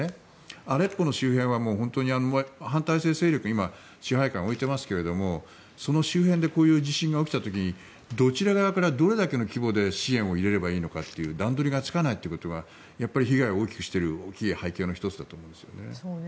アレッポの周辺は本当に反対勢力が支配下を置いていますがその周辺でこういう地震が起きた時にどちら側からどれだけの規模で支援を入れればいいのかという段取りがつかないということは被害を大きくしている大きい背景の１つだと思うんですよね。